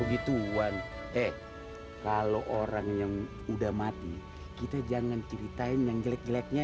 gituan eh kalau orang yang udah mati kita jangan ceritain yang jelek jeleknya